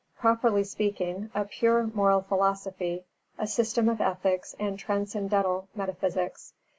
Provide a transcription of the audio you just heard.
Properly speaking, a pure moral philosophy, a system of ethics and transcendental metaphysics.